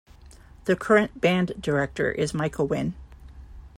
The current band director is Micah Wynn.